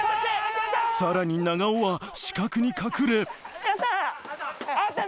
・さらに長尾は死角に隠れよっしゃ！